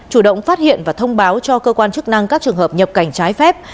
chủ động phát hiện và thông báo cho cơ quan chức năng các trường hợp nhập cảnh trái phép